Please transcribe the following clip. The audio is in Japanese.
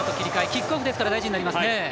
キックオフですから大事になりますね。